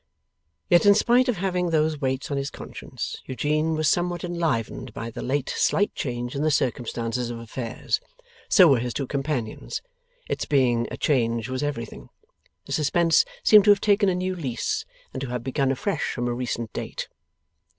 Yet in spite of having those weights on his conscience, Eugene was somewhat enlivened by the late slight change in the circumstances of affairs. So were his two companions. Its being a change was everything. The suspense seemed to have taken a new lease, and to have begun afresh from a recent date.